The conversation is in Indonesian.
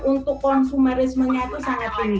untuk konsumerismenya itu sangat tinggi